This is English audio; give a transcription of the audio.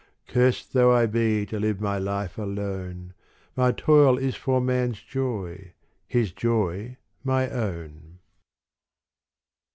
Cursed though I be to live my life alone. My toil is for man's joy, his joy my own.